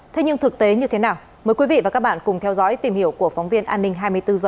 thế nhưng thực tế như thế nào mời quý vị và các bạn cùng theo dõi tìm hiểu của phóng viên an ninh hai mươi bốn h